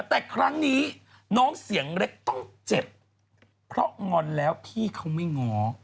แต่ครั้งนี้น้องเสียงเล็กต้องเจ็บเพราะงอนแล้วพี่เขาไม่ง้อ